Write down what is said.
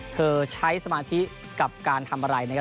เธอใช้สมาธิกับการทำอะไร